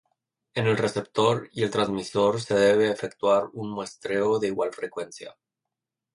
En el receptor y el transmisor se debe efectuar un muestreo de igual frecuencia.